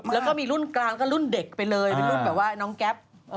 แล้วก็มีรุ่นกลางก็รุ่นเด็กไปเลยเป็นรุ่นแบบว่าน้องแก๊ป